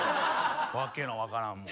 訳の分からんもう。